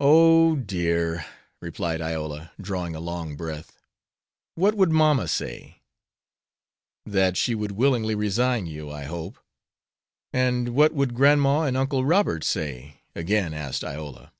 "Oh, dear," replied Iola, drawing a long breath. "What would mamma say?" "That she would willingly resign you, I hope." "And what would grandma and Uncle Robert say?" again asked Iola.